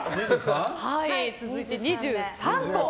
続いて２３個。